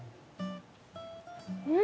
うん！